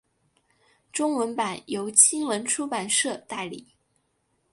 中文版由青文出版社代理。